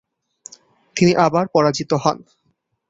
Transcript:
তিনি আবার পরাজিত হন।